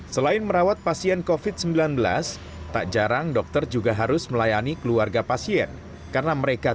selain merawat pasien covid sembilan belas tak jarang dokter juga harus melayani keluarga pasien karena mereka